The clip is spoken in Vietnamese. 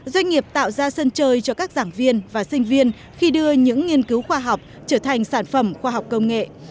doanh nghiệp tạo ra sân chơi cho các giảng viên và sinh viên khi đưa những nghiên cứu khoa học trở thành sản phẩm khoa học công nghệ